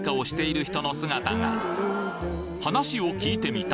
水辺で話を聞いてみた！